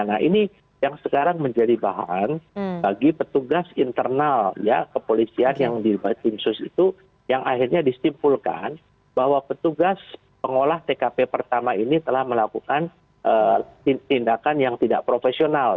nah ini yang sekarang menjadi bahan bagi petugas internal ya kepolisian yang dilibat tim sus itu yang akhirnya disimpulkan bahwa petugas pengolah tkp pertama ini telah melakukan tindakan yang tidak profesional